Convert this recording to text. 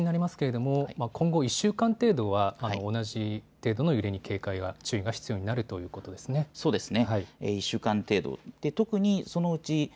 繰り返しになりますけれども今後１週間程度は同じ程度の揺れに注意が必要になるということですね。